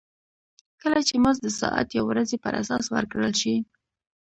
کله چې مزد د ساعت یا ورځې پر اساس ورکړل شي